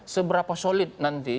seberapa solid nanti